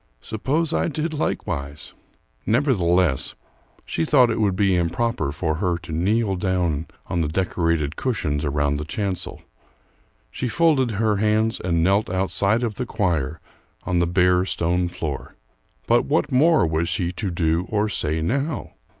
Suppose I did likewise?" Nevertheless she thought it would be improper for her to kneel down on the decorated cushions around the chancel. She folded her hands and knelt outside of the choir on the bare stone floor. But what more was she to do or say now?